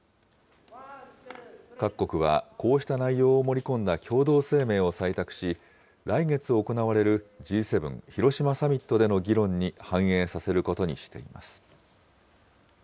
各国はこうした内容を盛り込んだ共同声明を採択し、来月行われるＧ７広島サミットでの議論に反映させることにしています。